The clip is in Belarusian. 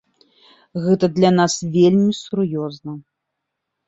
Гэта для нас вельмі сур'ёзна.